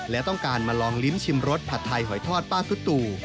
และต้องการมาลองลิ้มชิมรสผัดไทยหอยทอดป้าคุตุ